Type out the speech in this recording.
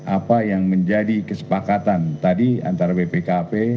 apa yang menjadi kesepakatan tadi antara bpkp